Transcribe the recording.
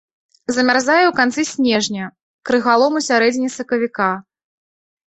Замярзае ў канцы снежня, крыгалом у сярэдзіне сакавіка.